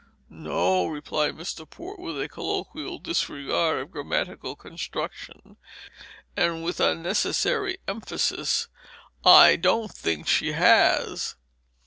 "No," replied Mr. Port, with a colloquial disregard of grammatical construction, and with perhaps unnecessary emphasis, "I don't think she has."